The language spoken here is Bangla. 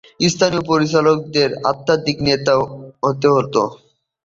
স্থানীয় পরিচারকদের আধ্যাত্মিক নেতা হতে হতো।